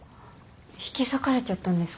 引き裂かれちゃったんですか？